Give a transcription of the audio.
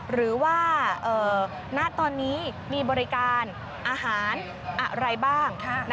หรือว่าณตอนนี้มีบริการอาหารอะไรบ้าง